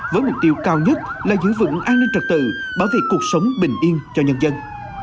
với mục tiêu cao nhất là giữ vững an ninh trật tự bảo vệ cuộc sống bình yên cho nhân dân